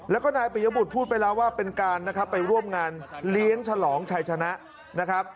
แล้วก็นายปิยบุตรพูดไปแล้วว่าเป็นการนะครับไปร่วมงานเลี้ยงฉลองชัยชนะนะครับ